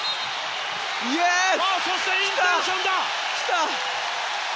そして、インテンションだ！